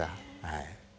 はい。